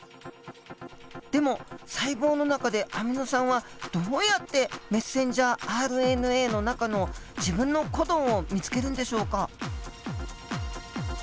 でも細胞の中でアミノ酸はどうやってｍＲＮＡの中の自分のコドンを見つけるんでしょうか？